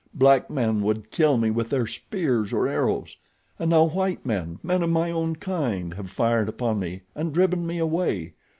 Black men would kill me with their spears or arrows. And now white men, men of my own kind, have fired upon me and driven me away.